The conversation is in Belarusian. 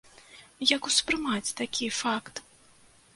Як успрымаць такі факт?